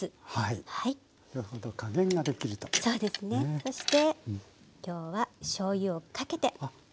そして今日はしょうゆをかけて。